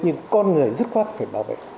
nhưng con người rất khoát phải bảo vệ